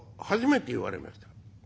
初めて言われました。